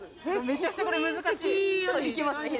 めちゃくちゃこれ難しいちょっと弾きますね